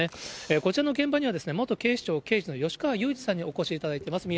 こちらの現場には、元警視庁刑事の吉川祐二さんにお越しいただいてます。